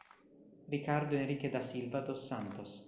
Ricardo Henrique da Silva dos Santos